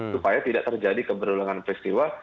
supaya tidak terjadi keberulangan peristiwa